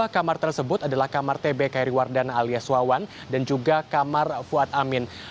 dua kamar tersebut adalah kamar tb kairiwardana alias suawan dan juga kamar fuad amin